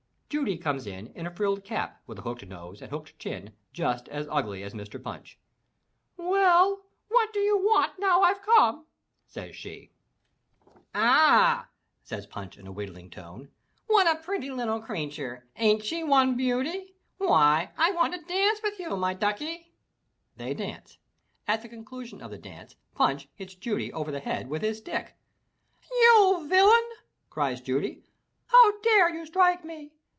Judy comes in in a frilled cap with a hooked nose and hooked chin, just as ugly as Mr. Punch. "Well, what do you want now I've come?" says she. 443 MY BOOK HOUSE "Ah/' says Punch in a wheedling tone, "what a pretty little creature! Ain't she one beauty? Why, I want to dance with you, my duckie!" They dance. At the conclusion of the dance Punch hits Judy over the head with his stick. "You villain," cries Judy, "how dare you strike me?